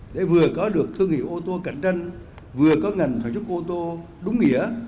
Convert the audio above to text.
để vừa có được thương hiệu ô tô cạnh tranh vừa có ngành thỏa chức ô tô đúng nghĩa